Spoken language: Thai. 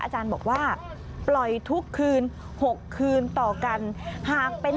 อาจารย์บอกว่าปล่อยทุกคืน๖คืนต่อกัน